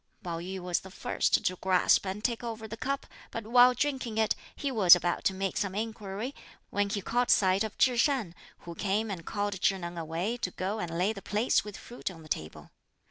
Pao yü was the first to grasp and take over the cup, but while drinking it, he was about to make some inquiry, when he caught sight of Chih Shan, who came and called Chih Neng away to go and lay the plates with fruit on the table.